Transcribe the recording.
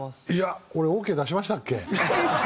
いや俺オーケー出しましたっけ？